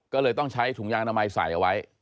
ก็เลยต้องใช้ถุงยางอนามัยใส่เอาไว้